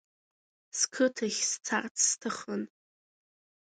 Сқыҭахь сцарц сҭахын.